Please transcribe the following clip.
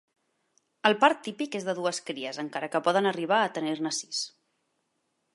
El part típic és de dues cries, encara que poden arribar a tenir-ne sis.